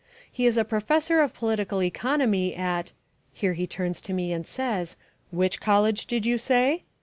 "He is a professor of political economy at " Here he turns to me and says, "Which college did you say?"